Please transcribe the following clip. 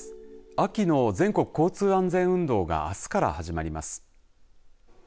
秋の全国交通安全運動があすから始まります。